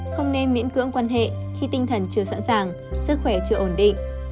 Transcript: không nên miễn cưỡng quan hệ khi tinh thần chưa sẵn sàng sức khỏe chưa ổn định